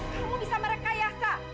kamu bisa merekayasa